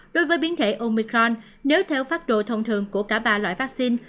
đối với biến thể omicron nếu theo pháp đồ thông thường của cả ba loại vaccine